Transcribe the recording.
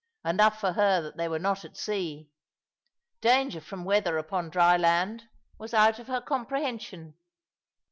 Enough for her that they were not at sea. Danger from weather upon dry land was out of her comprehension.